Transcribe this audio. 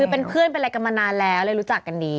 เป็นเพื่อนเป็นอะไรกันมานานแล้วเลยรู้จักกันดี